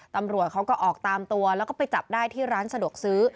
ตำรวจเขาก็ออกตามตัวแล้วก็ไปจับได้ที่ร้านสะดวกซื้อ